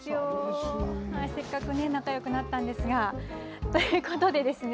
せっかくね仲良くなったんですがということでですね